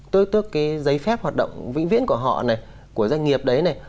tôi tước cái giấy phép hoạt động vĩnh viễn của họ này của doanh nghiệp đấy này